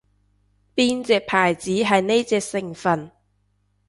邊隻牌子係呢隻成份